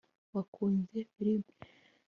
wakunze firime